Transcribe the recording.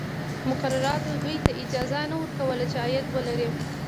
مقرراتو دوی ته اجازه نه ورکوله چې عاید ولري.